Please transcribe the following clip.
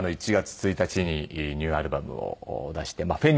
１月１日にニューアルバムを出して。